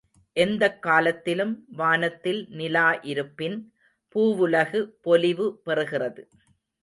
எந்தக் காலத்திலும், வானத்தில் நிலா இருப்பின் பூவுலகு பொலிவு பெறுகிறது.